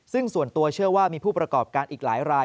ซึ่งส่วนตัวเชื่อว่ามีผู้ประกอบการอีกหลายราย